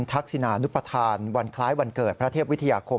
ทักษินานุปทานวันคล้ายวันเกิดพระเทพวิทยาคม